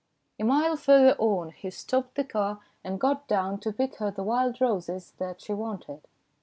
A mile further on he stopped the car and got down to pick her the wild roses that she wanted.